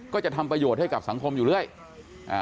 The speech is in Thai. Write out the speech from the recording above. ก็จะทำประโยชน์ให้กับสังคมอยู่เรื่อยอ่า